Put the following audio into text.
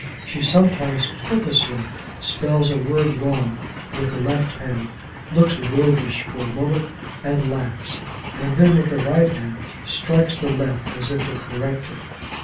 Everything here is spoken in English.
She sometimes purposely spells a word wrong with the left hand, looks roguish for a moment and laughs, and then with the right hand strikes the left, as if to correct it.